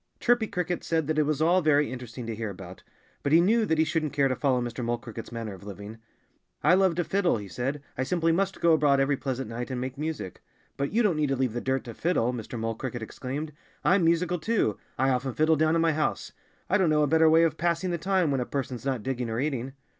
Chirpy Cricket said that it was all very interesting to hear about. But he knew that he shouldn't care to follow Mr. Mole Cricket's manner of living. "I love to fiddle," he said. "I simply must go abroad every pleasant night and make music." "But you don't need to leave the dirt to fiddle!" Mr. Mole Cricket exclaimed. "I'm musical too. I often fiddle down in my house. I don't know a better way of passing the time, when a person's not digging or eating."